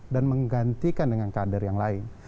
dan menggantikan dengan kader yang lain